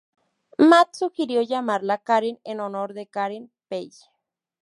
Matt sugirió llamarla Karen en honor de Karen Page.